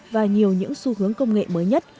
và nhiều những xu hướng công nghệ mới nhất